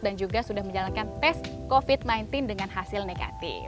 dan juga sudah menjalankan tes covid sembilan belas dengan hasil negatif